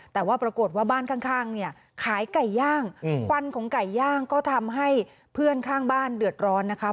แต่ว่าปรากฏว่าบ้านข้างเนี่ยขายไก่ย่างควันของไก่ย่างก็ทำให้เพื่อนข้างบ้านเดือดร้อนนะคะ